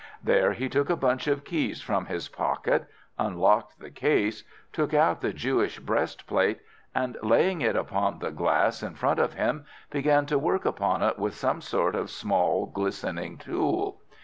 There he took a bunch of keys from his pocket, unlocked the case, took out the Jewish breastplate, and, laying it upon the glass in front of him, began to work upon it with some sort of small, glistening tool.